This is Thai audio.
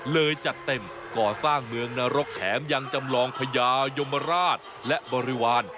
เลยจัดเต็มก่อสร้างเมืองนรกแถมยังจำลองพญายมราชและบริวาร